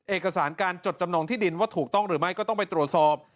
เอกสารการจดจำนองที่ดินว่าถูกต้องหรือไม่ก็ต้องไปตรวจสอบ